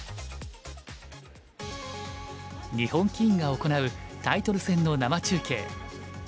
日本棋院が行うタイトル戦の生中継。